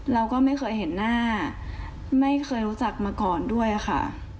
เราก็ไม่เคยเห็นหน้าไม่เคยรู้จักมาก่อนด้วยค่ะ